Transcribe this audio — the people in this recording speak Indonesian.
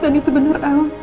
dan itu benar al